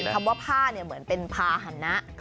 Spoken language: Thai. คำว่าผ้าเหมือนเป็นภาษณะ